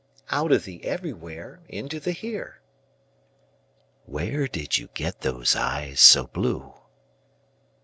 Out of the everywhere into the here. Where did you get those eyes so blue?